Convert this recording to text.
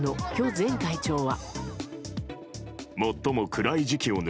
前会長は。